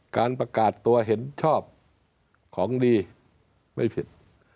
การประกาศตัวเห็นชอบของดีไม่ผิด